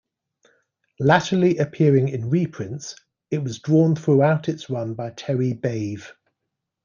Latterly appearing in reprints, it was drawn throughout its run by Terry Bave.